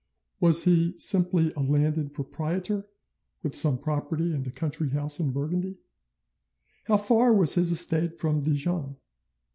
Was he simply a landed proprietor, with some property and a country house in Burgundy? How far was his estate from Dijon?